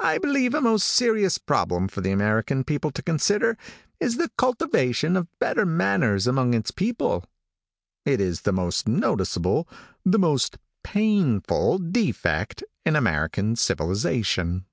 I believe a most serious problem for the American people to consider, is the cultivation of better manners among its people. It is the most noticeable, the most painful defect in American civilization."